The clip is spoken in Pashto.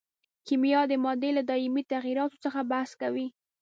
کیمیا د مادې له دایمي تغیراتو څخه بحث کوي.